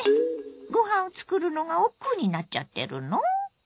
ご飯を作るのがおっくうになっちゃってるの？